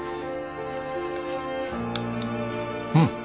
うん。